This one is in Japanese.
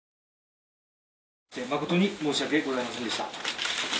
誠に申し訳ございませんでした。